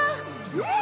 うん！